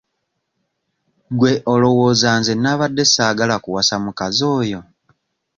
Gwe olowooza nze nnabadde ssaagala kuwasa mukazi oyo?